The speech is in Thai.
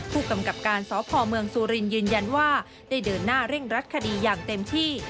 ผู้กำกับการสพเมืองสุรินยืนยันว่าได้เดินหน้าเร่งรัดคดีอย่างเต็มที่